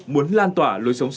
muốn lan tỏa lối xa của chúng ta